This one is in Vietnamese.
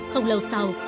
không lâu sau